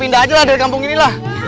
pindah aja lah dari kampung inilah